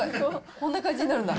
こんな感じになるんだ。